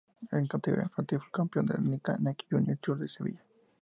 En categoría infantil, fue campeón del Nike Junior Tour de Sevilla.